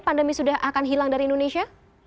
pandemi sudah akan hilang dari indonesia